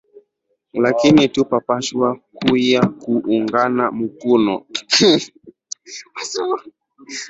Lakini tuna pashwa kuyua ku ungana mukono